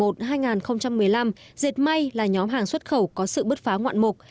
trong giai đoạn hai nghìn một mươi một hai nghìn một mươi năm diệt may là nhóm hàng xuất khẩu có sự bứt phá ngoạn mục